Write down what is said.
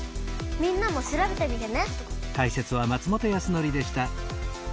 みんなも調べてみてね！